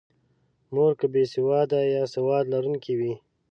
مور که بې سواده یا سواد لرونکې وي.